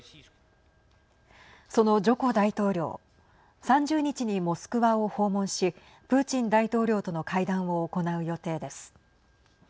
そのジョコ大統領３０日にモスクワを訪問しプーチン大統領との会談を行う予定です。